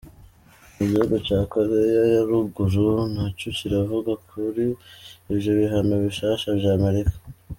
Igihugu ca Korea ya Ruguru ntaco kiravuga kuri ivyo bihano bishasha vya Amerika.